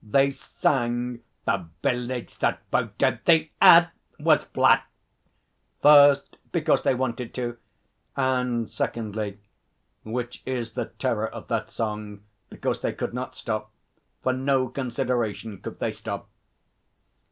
They sang 'The Village that voted the Earth was flat': first, because they wanted to, and secondly which is the terror of that song because they could not stop. For no consideration could they stop.